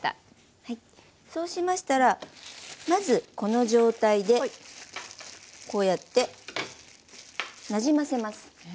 そうしましたらまずこの状態でこうやってなじませます。